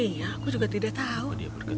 iya aku juga tidak tahu